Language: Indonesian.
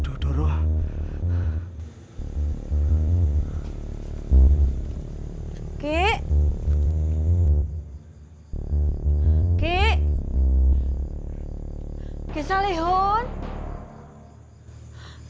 doroh doroh saja saya tunggu disini